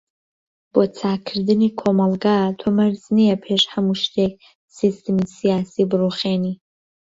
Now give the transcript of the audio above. بۆ چاکردنی کۆمەلگا تۆ مەرج نییە پێش هەمو شتێك سیستەمی سیاسی بروخێنی.